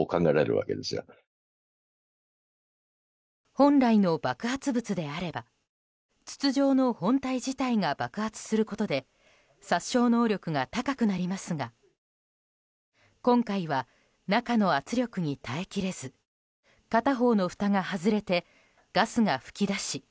本来の爆発物であれば筒状の本体自体が爆発することで殺傷能力が高くなりますが今回は、中の圧力に耐え切れず片方のふたが外れてガスが噴き出し